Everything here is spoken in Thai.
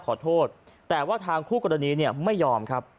ขอโทษแต่ว่าทางคู่กรณีเนี่ยไม่ยอมครับ